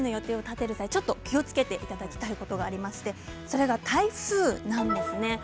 ただ夏休みの予定を立てる際に気をつけていただきたいことがありまして、それが台風なんです。